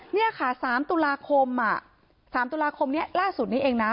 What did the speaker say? นี่ค่ะ๓ตุลาคม๓ตุลาคมนี้ล่าสุดนี้เองนะ